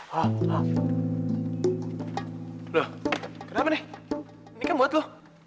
lo kenapa nih ini kan buat lo